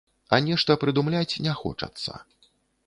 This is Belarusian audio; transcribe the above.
А нешта прыдумляць не хочацца.